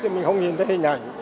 thì mình không nhìn thấy hình ảnh